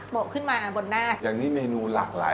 โหมขึ้นมาบนหน้า